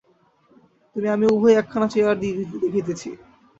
তুমি আমি উভয়েই একখানা চেয়ার দেখিতেছি।